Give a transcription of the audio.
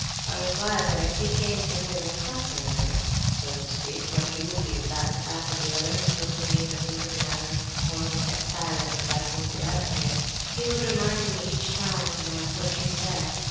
I replied that if he came to me as a 'comforter,' so to speak (for he would be in that capacity whether he spoke to me in a soothing manner or only kept silence, as I pointed out to him), he would but remind me each time of my approaching death!